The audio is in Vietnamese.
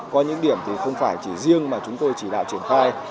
có những điểm thì không phải chỉ riêng mà chúng tôi chỉ đạo triển khai